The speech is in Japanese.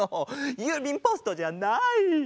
ゆうびんポストじゃない！